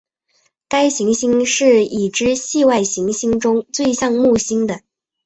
该行星是已知系外行星中最像木星的。